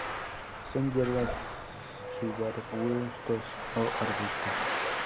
Son hierbas, subarbustos o arbustos.